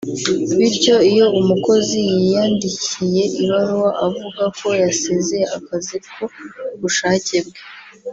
bityo iyo umukozi yiyandikiye ibaruwa avuga ko yasezeye akazi ku bushake bwe